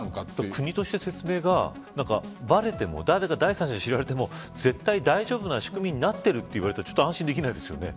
国として説明が第三者に知られても絶対大丈夫な仕組みになっていると言われたらちょっと安心できないですよね。